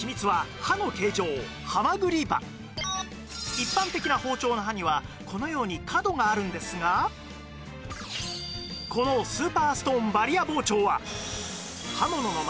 一般的な包丁の刃にはこのように角があるんですがこのスーパーストーンバリア包丁は刃物の街